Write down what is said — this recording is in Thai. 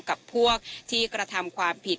กับพวกที่กระทำความผิด